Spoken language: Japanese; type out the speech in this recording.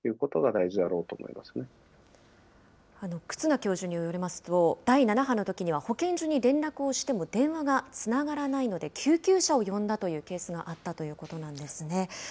忽那教授によりますと、第７波のときには保健所に連絡をしても電話がつながらないので、救急車を呼んだというケースがあったということなんですね。